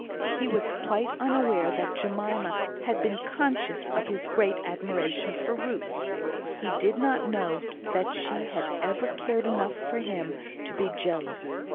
He was quite unaware that Jemima had been conscious of his great admiration for Ruth; he did not know that she had ever cared enough for him to be jealous.